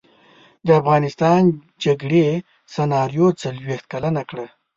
د افغانستان جګړې سناریو څلویښت کلنه کړه.